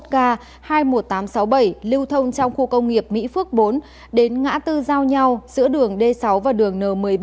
một mươi k hai mươi một nghìn tám trăm sáu mươi bảy lưu thông trong khu công nghiệp mỹ phước bốn đến ngã tư giao nhau giữa đường d sáu và đường n một mươi ba